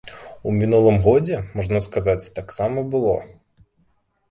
У мінулым годзе, можна сказаць, так сама было.